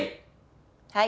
はい！